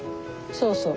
そうそう。